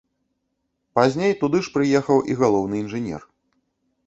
Пазней туды ж прыехаў і галоўны інжынер.